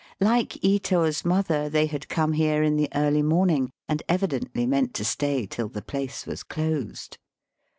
Like Ito's mother, they had come here in the early morning, and evidently meant to stay till the place was closed.